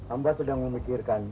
amba sedang memikirkan